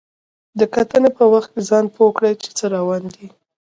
د کتنې په وخت کې ځان پوه کړئ چې څه روان دي.